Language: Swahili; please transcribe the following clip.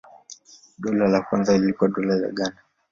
Dola la kwanza lilikuwa Dola la Ghana.